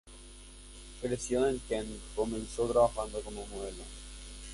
Creció en Kent y comenzó trabajando como modelo.